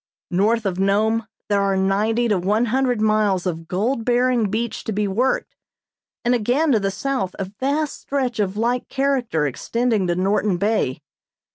North of Nome there are ninety to one hundred miles of gold bearing beach to be worked, and again to the south a vast stretch of like character extending to Norton Bay.